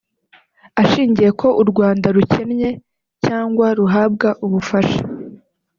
ashingiye ko u Rwanda rukennye cyangwa ruhabwa ubufasha